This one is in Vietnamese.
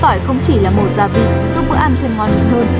tỏi không chỉ là màu gia vị giúp bữa ăn thêm ngon hơn